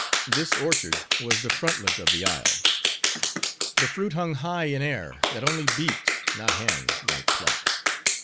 This orchard was the frontlet of the isle. The fruit hung high in air, that only beaks, not hands, might pluck.